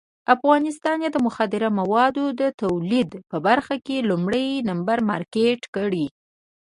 افغانستان یې د مخدره موادو د تولید په برخه کې لومړی نمبر مارکېټ کړی.